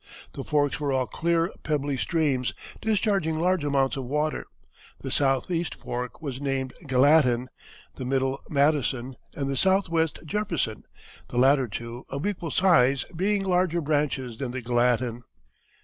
The forks were all clear pebbly streams, discharging large amounts of water. The southeast fork was named Gallatin, the middle Madison, and the southwest Jefferson, the latter two, of equal size, being larger branches than the Gallatin.